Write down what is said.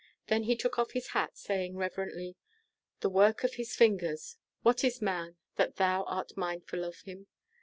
Then he took off his hat, saying, reverently, "The work of His fingers! What is man, that Thou art mindful of him?"